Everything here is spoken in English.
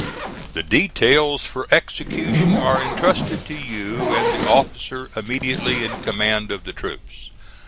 "The details for execution are intrusted to you and the officer immediately in command of the troops.